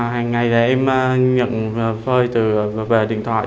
hàng ngày em nhận phơi từ về điện thoại